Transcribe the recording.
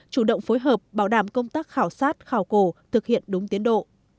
chủ động phối hợp bảo đảm công tác khảo sát khảo cổ thực hiện đúng tiến độ